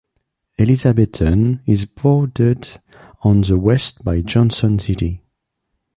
Elizabethton is bordered on the west by Johnson City.